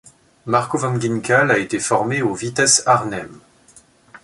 Marco van Ginkel a été formé au Vitesse Arnhem.